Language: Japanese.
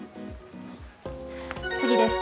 次です。